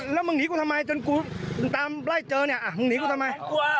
แล้วมึงหนีกูทำไมจนกูตามไล่เจอเนี่ยมึงหนีกูทำไม